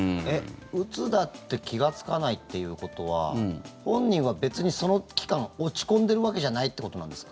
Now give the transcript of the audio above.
うつだって気がつかないっていうことは本人は、別にその期間落ち込んでるわけじゃないってことなんですか？